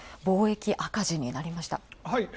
貿易赤字になりました。